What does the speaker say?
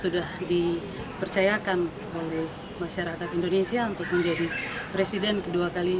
dan amanah dari masyarakat indonesia dilaksanakan